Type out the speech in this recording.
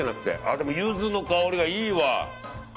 でも、ゆずの香りがいいわ。